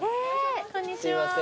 こんにちは。